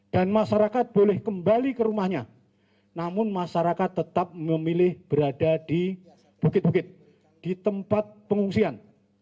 dan masyarakat boleh kembali ke rumahnya namun masyarakat tetap memilih berada di bukit bukit di tempat pengungsian